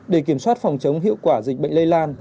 để kiểm soát phòng chống hiệu quả dịch bệnh lây lan